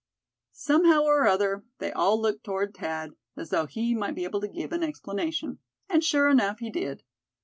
Somehow or other they all looked toward Thad, as though he might be able to give an explanation. And sure enough, he did.